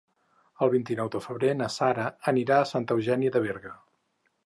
El vint-i-nou de febrer na Sara anirà a Santa Eugènia de Berga.